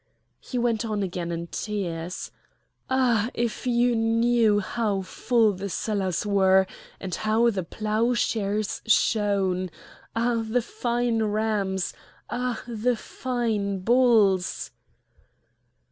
He went on again in tears: "Ah! if you knew how full the cellars were, and how the ploughshares shone! Ah! the fine rams! ah! the fine bulls!